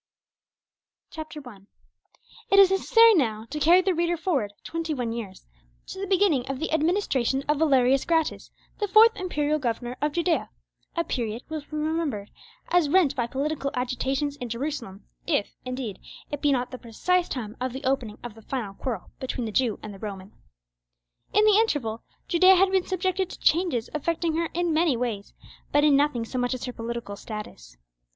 CHAPTER I It is necessary now to carry the reader forward twenty one years, to the beginning of the administration of Valerius Gratus, the fourth imperial governor of Judea—a period which will be remembered as rent by political agitations in Jerusalem, if, indeed, it be not the precise time of the opening of the final quarrel between the Jew and the Roman. In the interval Judea had been subjected to changes affecting her in many ways, but in nothing so much as her political status.